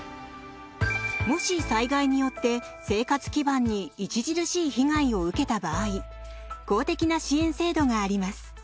もし災害によって生活基盤に著しい被害を受けた場合公的な支援制度があります。